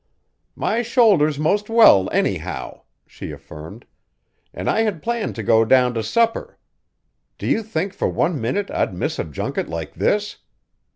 "My shoulder's 'most well anyhow," she affirmed, "an' I had planned to go down to supper. Do you think for one minute I'd miss a junket like this?